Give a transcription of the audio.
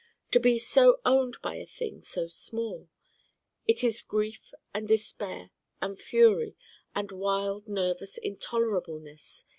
To be so owned by a thing so small: it is grief and despair and fury and wild nervous intolerableness.